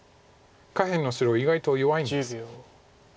下辺の白意外と弱いんです。